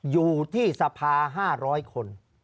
อยู่ที่สภา๕๐๐คน